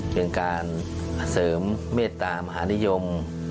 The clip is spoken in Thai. เป็นการเสริมเมตตามหานิยม